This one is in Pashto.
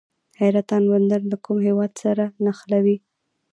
حیرتان بندر له کوم هیواد سره نښلوي؟